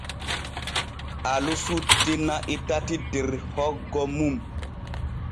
Alu sutti na'i tati der hoggo mum.